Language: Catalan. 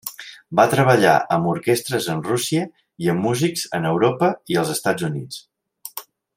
Va treballar amb orquestres en Rússia, i amb músics en Europa i els Estats Units.